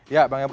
ya bang emru